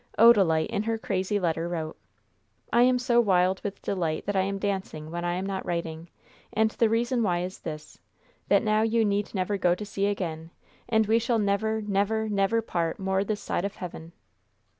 Odalite, in her crazy letter, wrote: "I am so wild with delight that I am dancing when I am not writing, and the reason why is this that now you need never go to sea again, and we shall never, never, never part more this side of heaven!